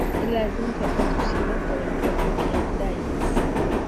El álbum fue producido por el propio King Diamond.